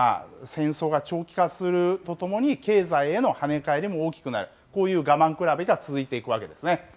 戦争が長期化するとともに、経済への跳ね返りも大きくなる、こういう我慢比べが続いていくわけですね。